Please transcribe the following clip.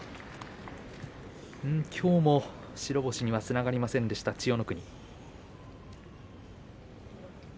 きょうも白星にはつながりませんでした、千代の国。